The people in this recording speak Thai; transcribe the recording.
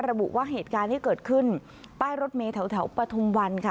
ระบุว่าเหตุการณ์ที่เกิดขึ้นป้ายรถเมย์แถวปฐุมวันค่ะ